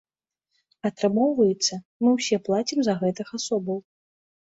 Атрымоўваецца, мы ўсе плацім за гэтых асобаў.